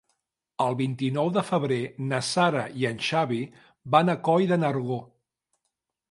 El vint-i-nou de febrer na Sara i en Xavi van a Coll de Nargó.